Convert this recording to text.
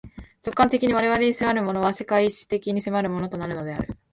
直観的に我々に迫るものは、世界史的に迫るものとなるのである。